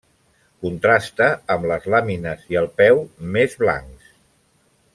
Contrasta amb les làmines i el peu més blancs.